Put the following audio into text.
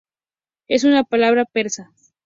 Es una palabra persa.